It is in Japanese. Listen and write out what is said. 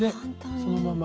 そのまま。